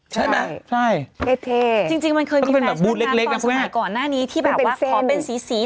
ใช่มั้ยสวัสดิ์ไต๊ดเท่จริงมันเเคิมีแปรสอบสาข้างสมัยก่อนหน้านี้ที่แบบว่าขอเป็นซี